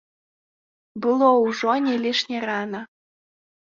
Было ўжо не лішне рана.